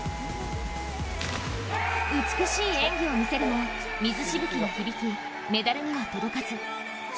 美しい演技を見せるも水しぶきが響きメダルには届かず。